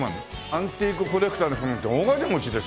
アンティークコレクターだなんて大金持ちですよ。